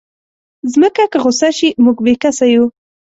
مځکه که غوسه شي، موږ بېکسه یو.